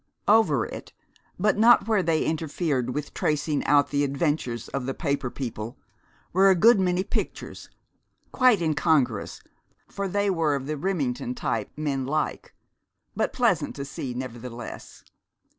Over it, but not where they interfered with tracing out the adventures of the paper people, were a good many pictures, quite incongruous, for they were of the Remington type men like, but pleasant to see nevertheless.